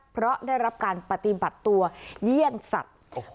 เพราะได้รับการปฏิบัติตัวเยี่ยงสัตว์